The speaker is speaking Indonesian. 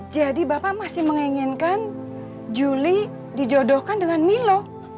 jadi bapak masih menginginkan juli dijodohkan dengan milo